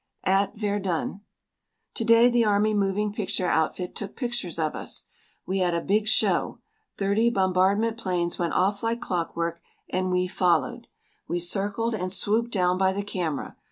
AT VERDUN To day the army moving picture outfit took pictures of us. We had a big show. Thirty bombardment planes went off like clock work and we followed. We circled and swooped down by the camera.